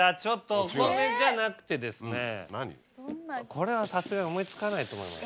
これはさすがに思い付かないと思います。